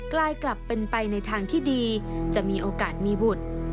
ลายกลับเป็นไปในทางที่ดีจะมีโอกาสมีบุตร